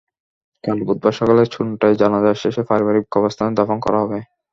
কাল বুধবার সকালে চুন্টায় জানাজা শেষে পারিবারিক কবরস্থানে দাফন করা হবে।